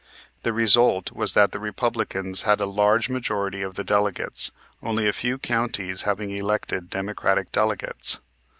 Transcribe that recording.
The result was that the Republicans had a large majority of the delegates, only a few counties having elected Democratic delegates.